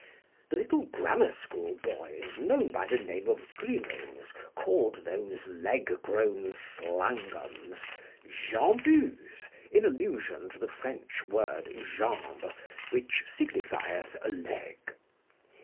The little grammar school boys, known by the name of Grimos, called those leg grown slangams Jambus, in allusion to the French word jambe, which signifieth a leg.